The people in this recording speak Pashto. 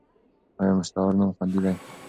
ایا مستعار نوم خوندي دی؟